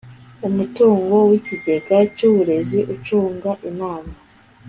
umutungo w ikigega cy uburezi ucungwa n inama